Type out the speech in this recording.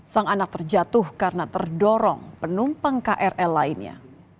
sang anak terjatuh karena terdorong penumpang krl lainnya